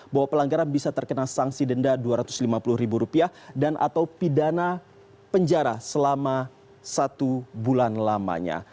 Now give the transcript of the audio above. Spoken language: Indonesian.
bahwa pelanggaran bisa terkena sanksi denda dua ratus lima puluh ribu rupiah dan atau pidana penjara selama satu bulan lamanya